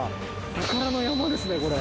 宝の山ですね、これ。